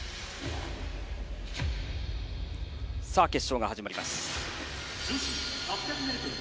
決勝が始まります。